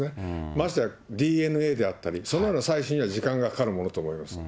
ましてやＤＮＡであったり、そんなのの採取には時間がかかると思います。